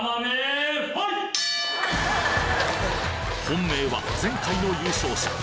本命は前回の優勝者